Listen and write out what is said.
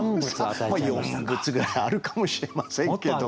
四物ぐらいあるかもしれませんけど。